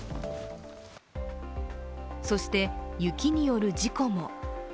そして、雪による事故も。